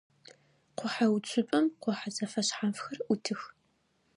Къухьэуцупӏэм къухьэ зэфэшъхьафхэр ӏутых.